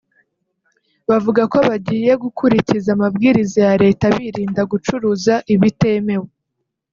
bavuga ko bagiye gukurikiza amabwiriza ya Leta birinda gucuruza ibitemewe